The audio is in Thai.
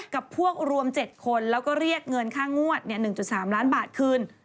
กับพวกรวม๗คนแล้วก็เรียกเงินค่างวด๑๓ล้านบาทคืน